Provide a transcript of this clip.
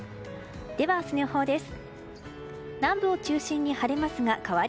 では、明日の予報です。